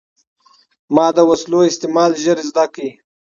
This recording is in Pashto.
ما د وسلو استعمال ژر زده کړ.